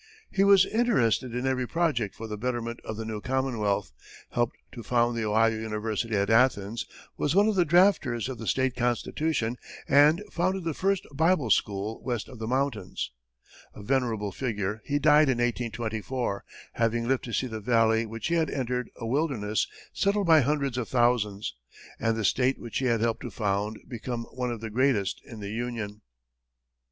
He was interested in every project for the betterment of the new Commonwealth, helped to found the Ohio University at Athens, was one of the drafters of the state constitution, and founded the first Bible school west of the mountains. A venerable figure, he died in 1824, having lived to see the valley which he had entered a wilderness settled by hundreds of thousands, and the state which he had helped to found become one of the greatest in the Union.